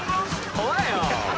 怖いよ！